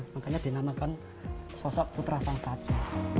makanya dinamakan sosok putra sang kaca